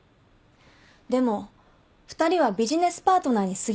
でも２人はビジネスパートナーにすぎなかった。